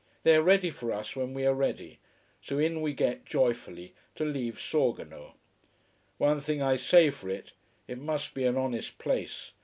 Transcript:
They are ready for us when we are ready. So in we get, joyfully, to leave Sorgono. One thing I say for it, it must be an honest place.